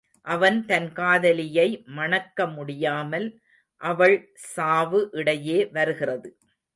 அவன் தன் காதலியை மணக்க முடியாமல் அவள் சாவு இடையே வருகிறது.